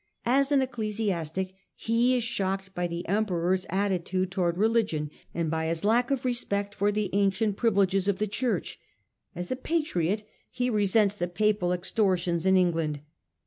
As an ecclesiastic he is shocked by the Emperor's attitude towards religion and by his lack of respect for the ancient privileges of the Church. As a patriot he resents the Papal ex tortions in England.